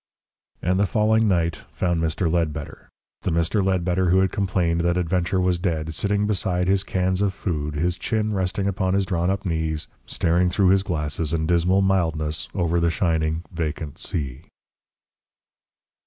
And the falling night found Mr. Ledbetter the Mr. Ledbetter who had complained that adventure was dead sitting beside his cans of food, his chin resting upon his drawn up knees, staring through his glasses in dismal mildness over the shining, vacant sea.